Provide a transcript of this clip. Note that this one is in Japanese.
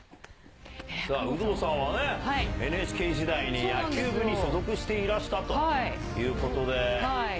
さあ、有働さんはね、ＮＨＫ時代に野球部に所属していらしたということで。